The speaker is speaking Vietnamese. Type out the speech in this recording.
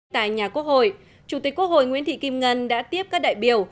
tại nhà quốc hội chủ tịch quốc hội nguyễn thị kim ngân đã tiếp các đại biểu